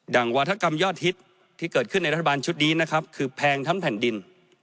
ดั่งวรรษกรรมยอดฮิตที่เกิดขึ้นในรัฐบาลชุดนี้คือแพงทำแผ่นดิน